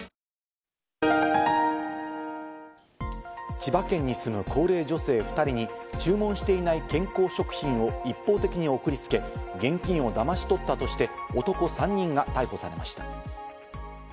千葉県に住む高齢女性２人に注文していない健康食品を一方的に送りつけ、現金をだまし取ったとして男３人が逮捕されました。